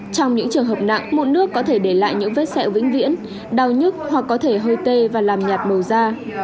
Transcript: trong những trường hợp nặng mụn nước có thể để lại những vết sẹo vĩnh viễn đau nhức hoặc có thể hơi tê và làm nhạt màu da